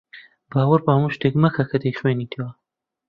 باوەڕ بە هەموو شتێک مەکە کە دەیخوێنیتەوە.